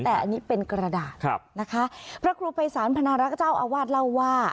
แต่อันนี้เป็นกระดาษนะคะพระครูภัยศาลพนารักษ์เจ้าอาวาสเล่าว่า